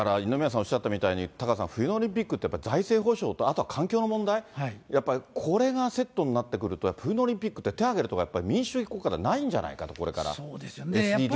おっしゃったみたいに、タカさん、冬のオリンピックって財政保障とあとは環境の問題、やっぱりこれがセットになってくると、冬のオリンピックって手を挙げる所が民主主義国家でないんじゃないかと、これから。